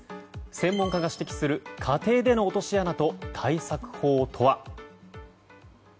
専門家が指摘する家庭での落とし穴と対策法とは。